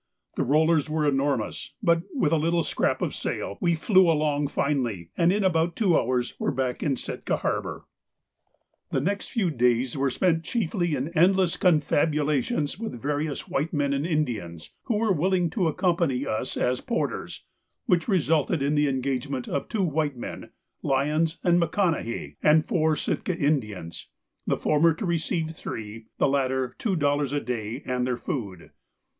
The rollers were enormous, but with a little scrap of sail we flew along finely, and in about two hours were back in Sitka harbour. The next few days were spent chiefly in endless confabulations with various white men and Indians who were willing to accompany us as porters, which resulted in the engagement of two white men, Lyons and McConnahay, and four Sitka Indians, the former to receive three, the latter two dollars a day and their food.